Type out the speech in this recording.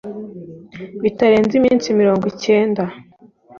bitarenze iminsi mirongo icyenda